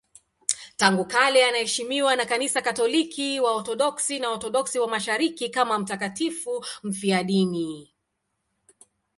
Tangu kale anaheshimiwa na Kanisa Katoliki, Waorthodoksi na Waorthodoksi wa Mashariki kama mtakatifu mfiadini.